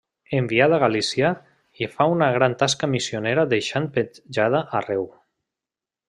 Enviat a Galícia, hi fa una gran tasca missionera deixant petjada arreu.